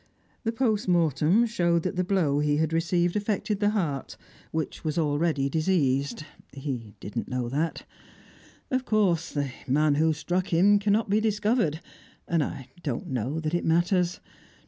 The postmortem showed that the blow he had received affected the heart, which was already diseased (he did not know that). Of course the man who struck him cannot be discovered, and I don't know that it matters.